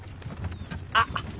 あっ。